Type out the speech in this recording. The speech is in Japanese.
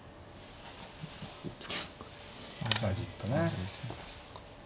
じっとね。